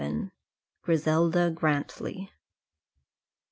GRISELDA GRANTLY.